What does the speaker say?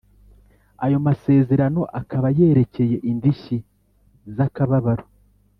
ayo masezerano akaba yerekeye indishyi za kababaro